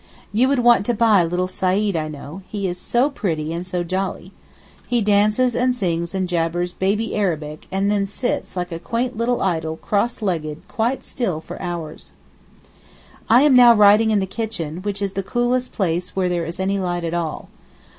You would want to buy little Said I know, he is so pretty and so jolly. He dances and sings and jabbers baby Arabic and then sits like a quaint little idol cross legged quite still for hours. I am now writing in the kitchen, which is the coolest place where there is any light at all.